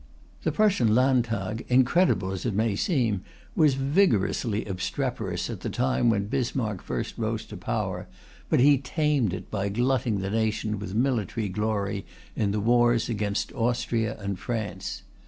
The Prussian Landtag (incredible as it may seem) was vigorously obstreperous at the time when Bismarck first rose to power, but he tamed it by glutting the nation with military glory in the wars against Austria and France.